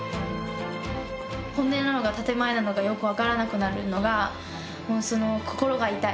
本音なのか建て前なのかよく分からなくなるのが心が痛い。